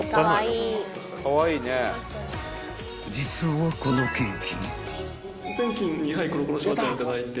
［実はこのケーキ］